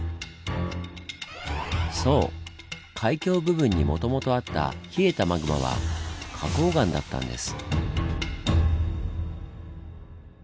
そう海峡部分にもともとあった冷えたマグマは花崗岩だったんです。